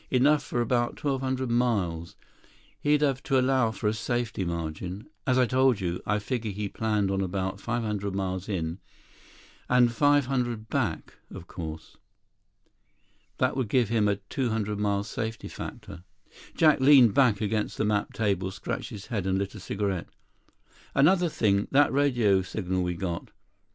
Enough for about 1,200 miles. He'd have to allow for a safety margin. As I told you, I figure he planned on about 500 miles in, and 500 back, of course. That would give him a 200 mile safety factor." Jack leaned back against the map table, scratched his head, and lit a cigarette. "Another thing ... that radio signal we got."